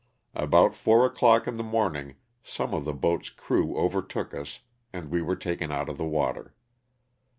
About four o'clock in the morning some of the boat's crew overtook us and we were taken out of the water.